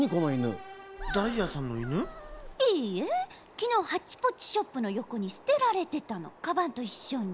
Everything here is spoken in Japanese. きのうハッチポッチショップのよこにすてられてたのカバンといっしょに。